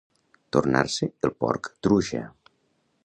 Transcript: Tornar-se el porc truja.